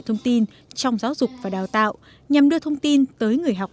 thông tin trong giáo dục và đào tạo nhằm đưa thông tin tới người học